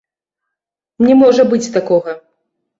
Не можа быць такога.